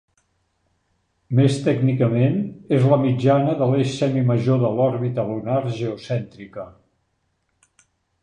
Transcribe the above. Més tècnicament, és la mitjana de l'eix semimajor de l'òrbita lunar geocèntrica.